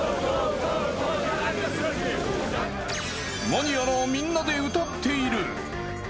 何やら、みんなで歌っている。